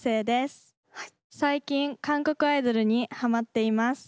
最近韓国アイドルにはまっています。